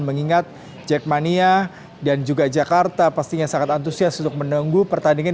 mengingat jackmania dan juga jakarta pastinya sangat antusias untuk menunggu pertandingan